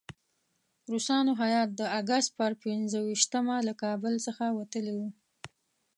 روسانو هیات د اګست پر پنځه ویشتمه له کابل څخه وتلی وو.